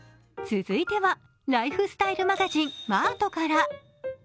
続いては、ライフスタイルマガジン「Ｍａｒｔ」から。